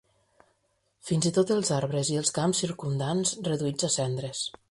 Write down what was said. Fins i tot els arbres i els camps circumdants reduïts a cendres.